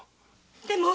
でも。